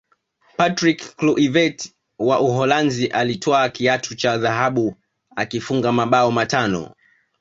patrick kluivert wa uholanzi alitwaa kiatu cha dhahabu akifunga mabao matano